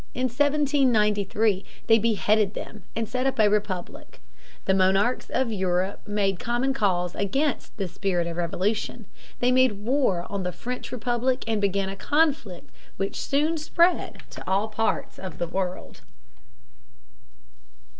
In 1793 they beheaded them, and set up a republic. The monarchs of Europe made common cause against this spirit of revolution. They made war on the French Republic and began a conflict which soon spread to all parts of the world.